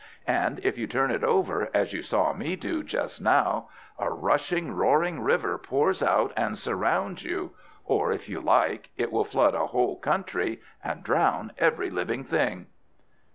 And if you turn it over, as you saw me do just now, a rushing, roaring river pours out, and surrounds you, or, if you like, it will flood a whole country and drown every living thing."